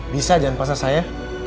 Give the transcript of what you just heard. bisa jangan pasah saya